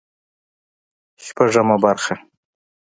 شپږمه برخه